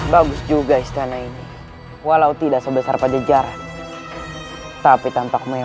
bagus juga istana ini walau tidak sebesar pada jarak tapi tampak mewah